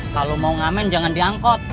kalau mau ngamen jangan diangkot